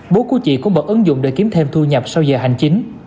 bố của chị cũng bật ứng dụng để kiếm thêm thu nhập sau giờ hành chính